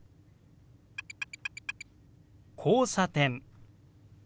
「交差点」。